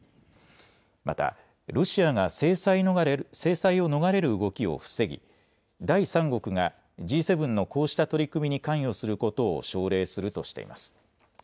またロシアが制裁を逃れる動きを防ぎ第三国がＧ７のこうした取り組みに関与することを奨励するとしています。